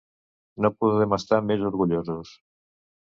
No podem estar més orgullosos.